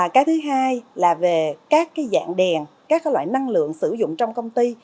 cái thứ hai là về các dạng đèn các loại năng lượng sử dụng trong công ty